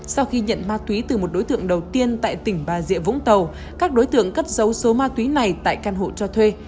sau khi nhận ma túy từ một đối tượng đầu tiên tại tỉnh bà rịa vũng tàu các đối tượng cất dấu số ma túy này tại căn hộ cho thuê